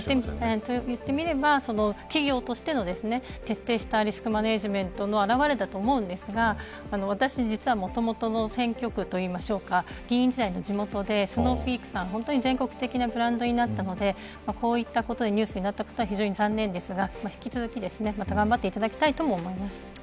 言ってみれば企業としての徹底したリスクマネジメントの表れだと思うんですが私、実はもともとの選挙区と言いましょうか議員時代の地元でスノーピークさん、本当に全国的なブランドになったのでこういったことでニュースになったのは非常に残念ですが引き続き、また頑張っていただきたいとも思います。